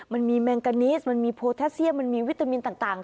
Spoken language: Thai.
แมงกานิสมันมีโพแทสเซียมมันมีวิตามินต่าง